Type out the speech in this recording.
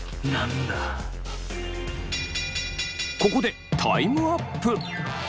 ここでタイムアップ！